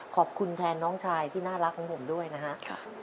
ขอบคุณแทนน้องชายที่น่ารักของผมด้วยนะครับ